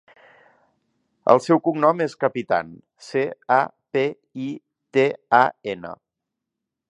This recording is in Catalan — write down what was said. El seu cognom és Capitan: ce, a, pe, i, te, a, ena.